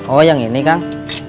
oh yang ini kang